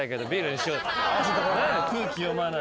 空気読まない。